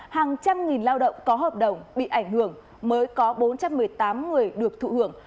hàng trăm nghìn lao động có hợp đồng bị ảnh hưởng mới có bốn trăm một mươi tám người được thụ hưởng